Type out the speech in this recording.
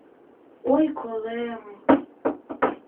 Ой, колем!